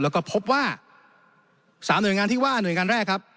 แล้วก็พบว่า๓หน่วยงานที่ว่าหน่วยงานแรกครับ